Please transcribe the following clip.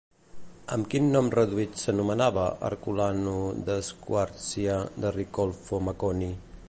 Amb quin nom reduït s'anomenava Arcolano de Squarcia de Riccolfo Maconi?